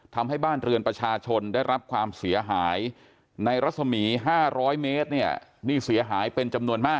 ทำให้บ้านเรือนประชาชนได้รับความเสียหายในรัศมี๕๐๐เมตรเนี่ยนี่เสียหายเป็นจำนวนมาก